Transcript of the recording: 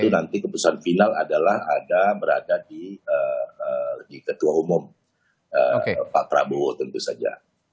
nanti keputusan final adalah ada berada di ketua umum pak prabowo tentu saja